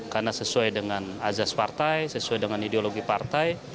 karena sesuai dengan azas partai sesuai dengan ideologi partai